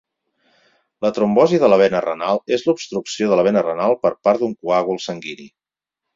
La trombosis de la vena renal és l'obstrucció de la vena renal per part d'un coàgul sanguini.